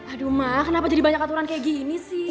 aduh mah kenapa jadi banyak aturan kayak gini sih